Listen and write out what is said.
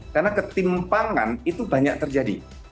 karena ketimpangan itu banyak terjadi